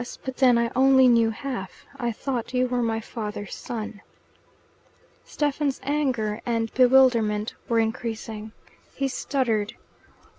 But then I only knew half. I thought you were my father's son." Stephen's anger and bewilderment were increasing. He stuttered.